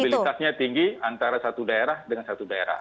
mobilitasnya tinggi antara satu daerah dengan satu daerah